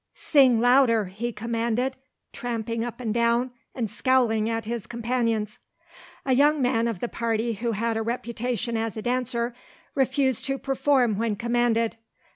"Sing louder," he commanded, tramping up and down and scowling at his companions. A young man of the party who had a reputation as a dancer refused to perform when commanded.